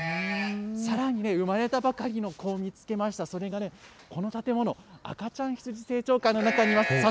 さらに、生まれたばかりの子を見つけました、それがね、この建物、赤ちゃん羊成長館の中にいます。